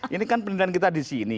ini kan pendidikan kita di sini